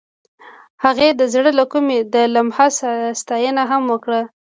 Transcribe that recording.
هغې د زړه له کومې د لمحه ستاینه هم وکړه.